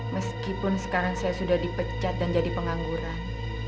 meskipun sekarang saya sudah dipecat dan jadi pengangguran